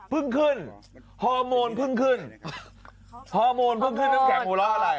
เพิ่งขึ้นฮอร์โมนเพิ่งขึ้นฮอร์โมนเพิ่งขึ้นเป็นแขกหูร้อนอะไร